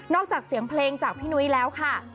จากเสียงเพลงจากพี่นุ้ยแล้วค่ะ